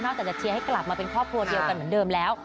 จากจะเชียร์ให้กลับมาเป็นครอบครัวเดียวกันเหมือนเดิมแล้ว